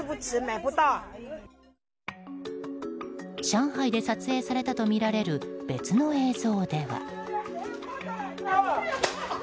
上海で撮影されたとみられる別の映像では。